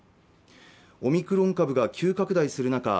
オミクロン株が急拡大する中